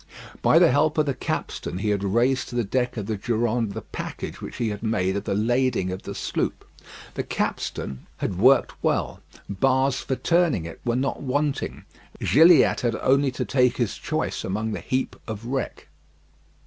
By the help of the capstan he had raised to the deck of the Durande the package which he had made of the lading of the sloop. The capstan had worked well. Bars for turning it were not wanting. Gilliatt had only to take his choice among the heap of wreck.